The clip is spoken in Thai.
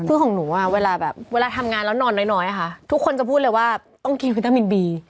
คือของหนูอ่ะเวลาแบบเวลาทำงานแล้วนอนน้อยค่ะทุกคนจะพูดเลยว่าต้องกินวิตามินบี